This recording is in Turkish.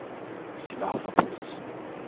Silahlı polis!